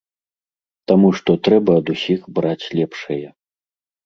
Таму што трэба ад усіх браць лепшае.